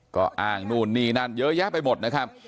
ก็อ้างนู่นนี่นั่นเยอะแยะไปหมดนะครับ